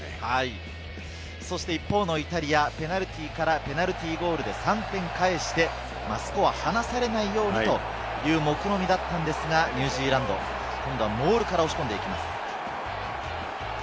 一方のイタリア、ペナルティーからペナルティーゴールで３点返して、スコアを離されないようにというもくろみだったのですが、ニュージーランド、モールから押し込んでいきます。